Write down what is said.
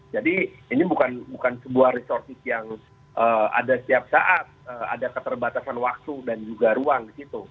jadi ini bukan sebuah resortis yang ada setiap saat ada keterbatasan waktu dan juga ruang